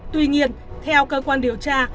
tuy nhiên theo cơ quan điều tra